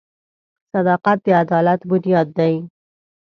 • صداقت د عدالت بنیاد دی.